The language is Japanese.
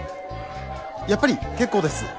やっぱり結構です。